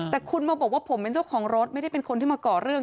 แต่คุณมาบอกว่าผมเป็นเจ้าของรถไม่ได้เป็นคนที่มาก่อเรื่อง